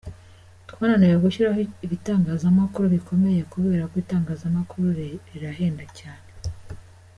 "Twananiwe gushyiraho ibitangazamakuru bikomeye kubera ko itangazamakuru rirahenda cyane.